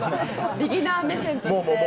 ビギナー目線として。